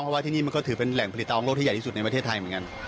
เพราะว่าที่นี่มันก็ถือเป็นแหล่งผลิตตาของโลกที่ใหญ่ที่สุดในประเทศไทยเหมือนกัน